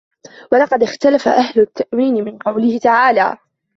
وَقَدْ اخْتَلَفَ أَهْلُ التَّأْوِيلِ فِي قَوْله تَعَالَى